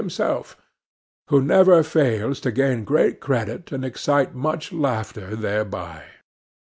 himself, who never fails to gain great credit and excite much laughter thereby.